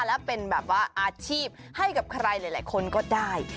และเป็นแบบว่าอาชีพให้กับใครหลายคนก็ได้